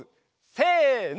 せの！